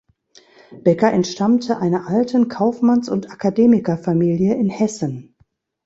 Becker entstammte einer alten Kaufmanns- und Akademikerfamilie in Hessen.